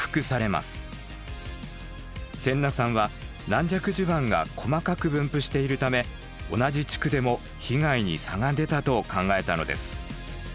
先名さんは軟弱地盤が細かく分布しているため同じ地区でも被害に差が出たと考えたのです。